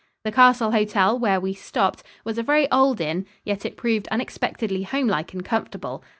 The Castle Hotel, where we stopped, was a very old inn, yet it proved unexpectedly homelike and comfortable.